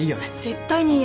絶対に嫌。